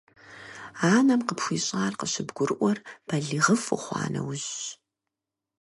Анэм къыпхуищӀар къыщыбгурыӀуэр балигъыфӀ ухъуа нэужьщ.